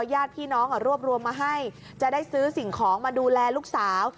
ญาติพี่น้องรวบรวมมาให้จะได้ซื้อสิ่งของมาดูแลลูกสาว